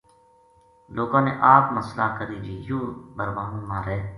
لوکاں نے آپ ما صلاح کری جے یوہ بھربھانو مھارے